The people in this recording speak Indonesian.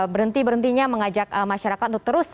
berhenti berhentinya mengajak masyarakat untuk terus